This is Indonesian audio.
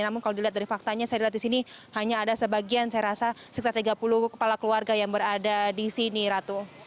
namun kalau dilihat dari faktanya saya lihat di sini hanya ada sebagian saya rasa sekitar tiga puluh kepala keluarga yang berada di sini ratu